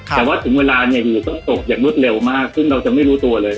แต่ว่าถึงเวลาเนี่ยอยู่ต้องตกอย่างรวดเร็วมากขึ้นเราจะไม่รู้ตัวเลย